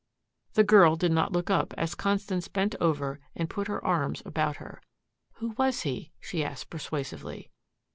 The girl did not look up as Constance bent over and put her arms about her. "Who was he?" she asked persuasively.